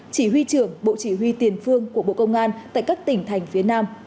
chỉ huy trưởng bộ chỉ huy tiền phương của bộ công an tại các tỉnh thành phía nam